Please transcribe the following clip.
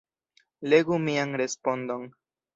Legu mian respondon.